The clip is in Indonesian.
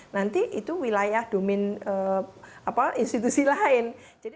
nanti itu wilayah domin institusi lain